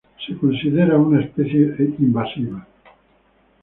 Es considerada una especie invasiva.